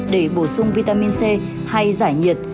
để bổ sung vitamin c hay giải nhiệt